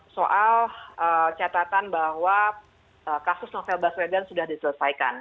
soal catatan bahwa kasus novel baswedan sudah diselesaikan